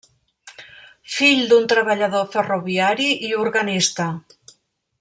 Fill d'un treballador ferroviari i organista.